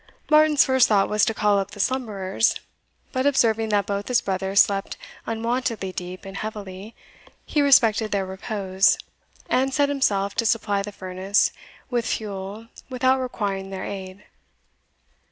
Martin's first thought was to call up the slumberers; but observing that both his brothers slept unwontedly deep and heavily, he respected their repose, and set himself to supply the furnace with fuel without requiring their aid.